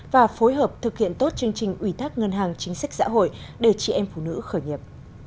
và phối hợp thực hiện tốt chương trình ủy thác ngân hàng chính sách xã hội để chị em phụ nữ khởi nghiệp